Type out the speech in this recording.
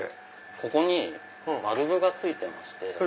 ここにバルブがついてまして。